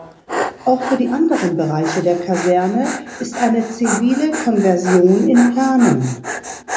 Auch für die anderen Bereiche der Kaserne ist eine zivile Konversion in Planung.